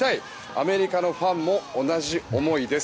アメリカのファンも同じ思いです。